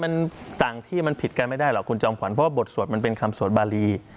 มันต่างที่มันผิดกันไม่ได้หรอกคุณจอมขวัญเพราะว่าบทสวดมันเป็นคำสวดบารี